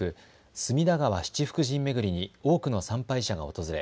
隅田川七福神めぐりに多くの参拝者が訪れ